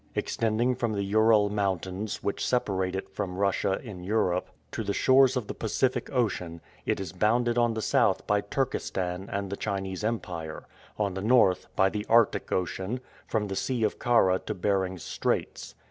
Extending from the Ural Mountains, which separate it from Russia in Europe, to the shores of the Pacific Ocean, it is bounded on the south by Turkestan and the Chinese Empire; on the north by the Arctic Ocean, from the Sea of Kara to Behring's Straits.